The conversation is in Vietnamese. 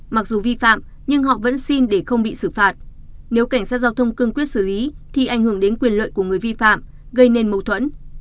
mặc dù vi phạm nhưng họ vẫn xin để không bị xử phạt nếu cảnh sát giao thông cương quyết xử lý thì ảnh hưởng đến quyền lợi của người vi phạm gây nên mâu thuẫn